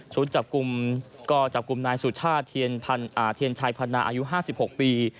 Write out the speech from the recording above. ชุดจับกุมก็จับกุมนายสุชาติเทียนชายพรรณาอายุ๕๖ปี